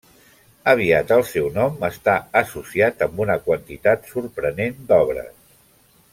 Aviat el seu nom està associat amb una quantitat sorprenent d'obres.